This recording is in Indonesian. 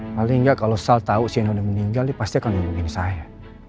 paling gak kalau sal tau sienna udah meninggal dia pasti akan mengingat saya